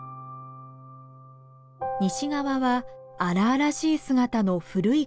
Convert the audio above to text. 西側は荒々しい姿の古い火山。